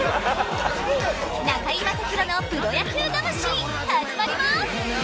『中居正広のプロ野球魂』始まります！